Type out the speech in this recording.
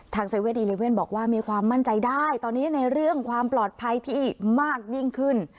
๗๑๑บอกว่ามีความมั่นใจได้ตอนนี้ในเรื่องความปลอดภัยที่มากยิ่งขึ้น